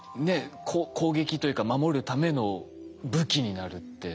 攻撃というか守るための武器になるって。